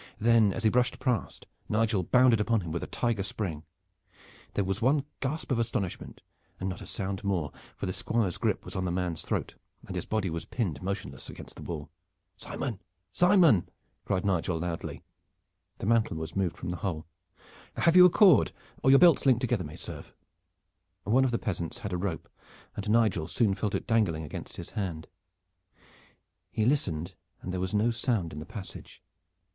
Then as he brushed past Nigel bounded upon him with a tiger spring. There was one gasp of astonishment, and not a sound more, for the Squire's grip was on the man's throat and his body was pinned motionless against the wall. "Simon! Simon!" cried Nigel loudly. The mantle was moved from the hole. "Have you a cord? Or your belts linked together may serve." One of the peasants had a rope, and Nigel soon felt it dangling against his hand. He listened and there was no sound in the passage.